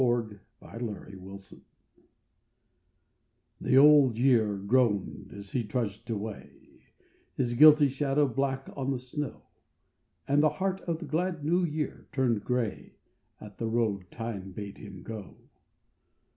BLOOD ROAD THE Old Year groaned as he trudged away, His guilty shadow black on the snow, And the heart of the glad New Year turned grey At the road Time bade him go.